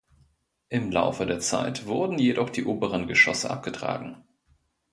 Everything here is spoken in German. Im Laufe der Zeit wurden jedoch die oberen Geschosse abgetragen.